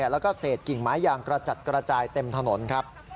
แล้วก็เศษกิ่งไม้ยางกระจัดกระจายเต็มถนนครับ